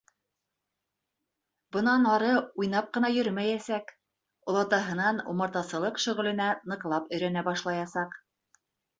Бынан ары уйнап ҡына йөрөмәйәсәк, олатаһынан умартасылыҡ шөғөлөнә ныҡлап өйрәнә башлаясаҡ!